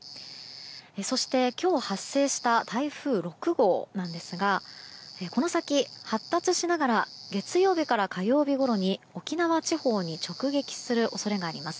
そして今日発生した台風６号ですがこの先、発達しながら月曜日から火曜日ごろに沖縄地方に直撃する恐れがあります。